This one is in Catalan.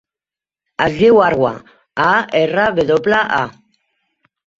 Es diu Arwa: a, erra, ve doble, a.